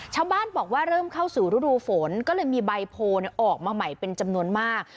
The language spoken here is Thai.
ชาวบ้านบอกว่าเริ่มเข้าสู่ฤดูฝนก็เลยมีใบโพลออกมาใหม่เป็นจำนวนมาก